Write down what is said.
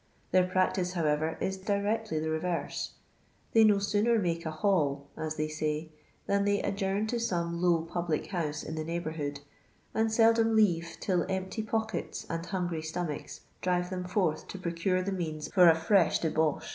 Their practice, however, is directly the reverse. They no sooner make a " haul," as they say, than they adjourn to some low public house in the neighbourhood, and seldom leave till empty pockets and hungry stomachs drive them forth to procure the means for a fresh debauch.